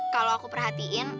kalau aku perhatiin